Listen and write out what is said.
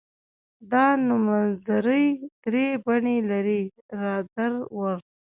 دا نومځري درې بڼې لري را در ور.